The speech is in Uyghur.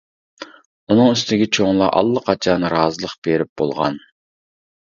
ئۇنىڭ ئۈستىگە چوڭلار ئاللىقاچان رازىلىق بېرىپ بولغان.